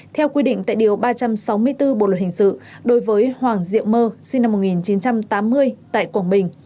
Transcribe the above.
theo quy định tại điều ba trăm sáu mươi bốn bộ luật hình sự đối với hoàng diệu mơ sinh năm một nghìn chín trăm tám mươi tại quảng bình